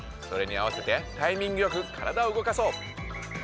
それにあわせてタイミングよくからだを動かそう！